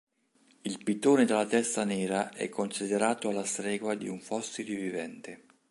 Il pitone dalla testa nera è considerato alla stregua di un fossile vivente.